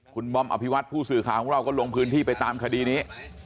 คุณบอมอภิวัตผู้สื่อข่าวของเราก็ลงพื้นที่ไปตามคดีนี้